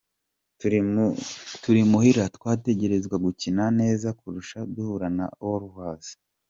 "Turi muhira, twategerezwa gukina neza kurusha duhura na Wolves.